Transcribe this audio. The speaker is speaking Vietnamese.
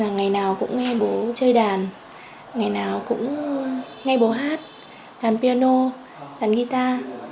ngày nào cũng nghe bố chơi đàn ngày nào cũng nghe bố hát thàn piano đàn guitar